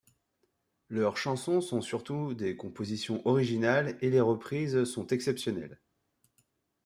Leurs chansons sont surtout des compositions originales et les reprises sont exceptionnelles.